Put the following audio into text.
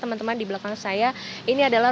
teman teman di belakang saya ini adalah